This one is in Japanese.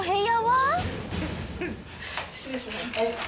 失礼します。